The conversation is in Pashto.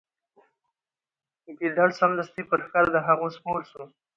ګیدړ سمدستي پر ښکر د هغه سپور سو